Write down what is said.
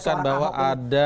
anda menyebutkan bahwa ada